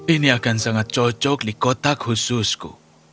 ini akan sangat cocok di kotak khususku